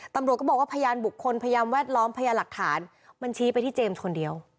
ตำรวจก็บอกว่าพยานบุคคลพยานแวดล้อมพยานหลักฐานมันชี้ไปที่เจมส์คนเดียว